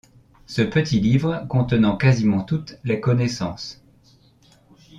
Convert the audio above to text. Ce petit livre contenant quasiment toutes les connaissances.